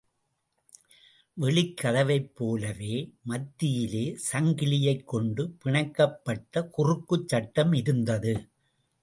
வெளிக்கதவைப் போலவே மத்தியிலே சங்கிலியைக்கொண்டு பிணைக்கப்பட்ட குறுக்குச் சட்டம் இருந்தது.